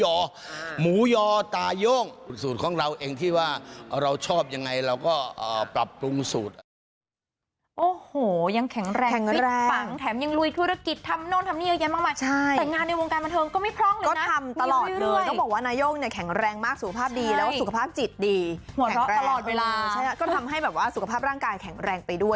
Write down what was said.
ตอนนี้มีหมูยอหมูยอตายงสูตรของเราเองที่ว่าเราชอบยังไงเราก็ปรับปรุงสูตร